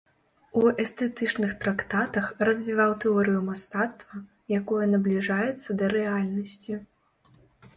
У эстэтычных трактатах развіваў тэорыю мастацтва, якое набліжаецца да рэальнасці.